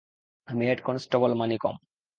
আমি head constable Manickam.